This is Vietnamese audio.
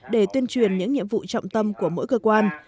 để tuyên truyền những nhiệm vụ trọng tâm của mỗi cơ quan